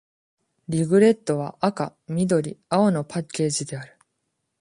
リグレットは、赤、緑、青のパッケージである。